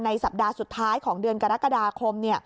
สัปดาห์สุดท้ายของเดือนกรกฎาคม